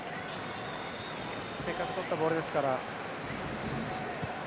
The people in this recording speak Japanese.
せっかくとったボールですから。